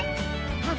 はっ